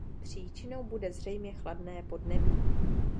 Příčinou bude zřejmě chladné podnebí.